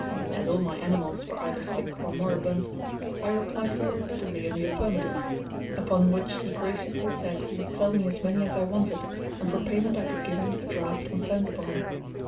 As all my animals were either sick or moribund, I replied very readily in the affirmative, upon which he graciously said he would sell me as many as I wanted, and for payment I could give him a draft on Zanzibar.